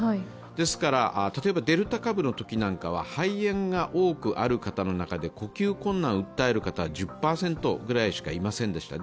ですから例えばデルタ株のときなどは肺炎が多くある方の中で呼吸困難を訴える方、１０％ぐらいしかいませんでした。